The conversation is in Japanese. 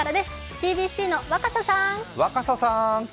ＣＢＣの若狭さん。